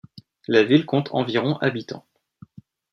La ville compte environ habitants.